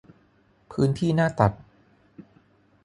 พื้นที่หน้าตัด